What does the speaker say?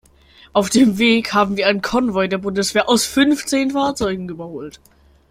Auf dem Weg haben wir einen Konvoi der Bundeswehr aus fünfzehn Fahrzeugen überholt.